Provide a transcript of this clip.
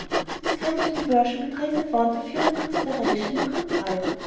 This kind of diversion betrays a want of humane consideration in the contriver.